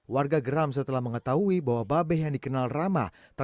warga geram setelah mengetahui bahwa babeh yang dikenal ramah